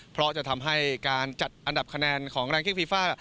เพราะจะทำให้การจัดอันดับคะแนนของแรงเค้กฟีฟ่า